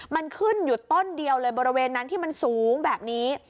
มันขึ้นอยู่ต้นเดียวเลยบริเวณนั้นที่มันสูงแบบนี้